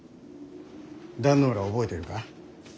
壇ノ浦を覚えてるか。